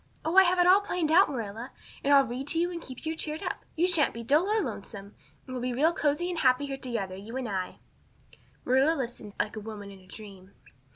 Oh, I have it all planned out, Marilla. And I'll read to you and keep you cheered up. You sha'n't be dull or lonesome. And we'll be real cozy and happy here together, you and I." Marilla had listened like a woman in a dream.